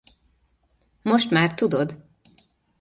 Most már tudod!